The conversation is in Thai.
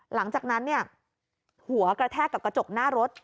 หลังจากนั้นเนี่ยหัวกระแทกกับกระจกหน้ารถ